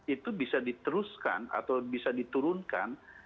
itu bisa diteruskan atau bisa diturunkan